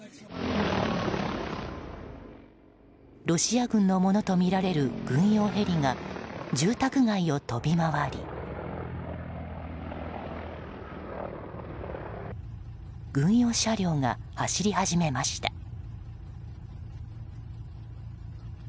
ロシア軍のものとみられる軍用ヘリが、住宅街を飛び回り軍用車両が走り始めました。